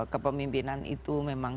kepemimpinan itu memang